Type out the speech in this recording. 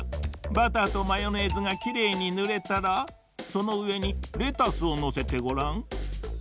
バターとマヨネーズがきれいにぬれたらそのうえにレタスをのせてごらん。